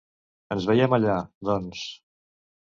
Ens veiem allà, doncs!